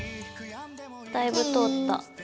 だいぶ通った。ＯＫ。